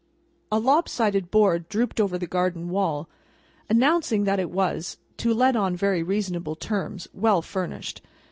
A lop sided board drooped over the garden wall, announcing that it was "to let on very reasonable terms, well furnished."